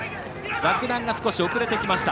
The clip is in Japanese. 洛南が少し遅れてきました。